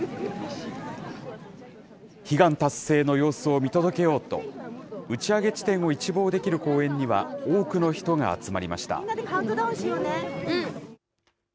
悲願達成の様子を見届けようと、打ち上げ地点を一望できる公園には多くの人が集まりました。